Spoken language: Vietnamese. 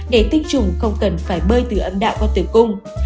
để tinh trùng không cần phải bơi từ âm đạo qua tử cung